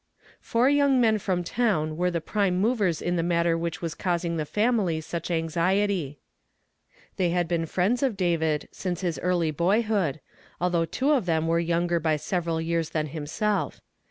Four young men from town were the prime movers in the matter which was causing the fam ily such anxiety. They had been friends of David since his early boyhood, although two of them were younger by several years than himself.